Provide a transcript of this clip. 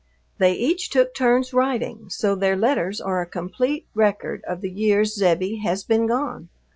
They each took turns writing, so their letters are a complete record of the years "Zebbie" has been gone.